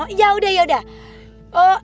oh yaudah yaudah